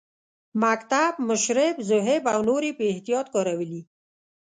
مکتب، مشرب، ذهب او نور یې په احتیاط کارولي.